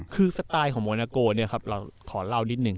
คือสไตล์ของโมนาโกเนี่ยครับเราขอเล่านิดหนึ่ง